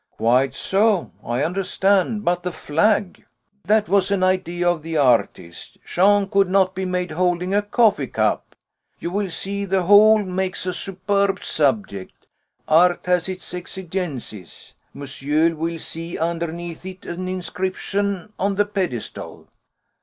"Quite so. I understand. But the flag?" "That was an idea of the artist. Jean could not be made holding a coffee cup. You will see the whole makes a superb subject. Art has its exigencies. Monsieur will see underneath is an inscription on the pedestal."